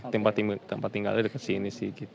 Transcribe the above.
tempat tinggalnya dekat sini sih